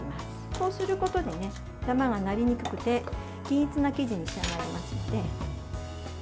こうすることでダマがなりにくくて均一な生地に仕上がりますので。